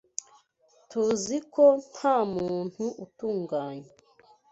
tuzi ko ntamuntu utunganye.